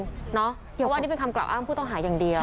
เพราะว่าอันนี้เป็นคำกล่าวอ้างผู้ต้องหาอย่างเดียว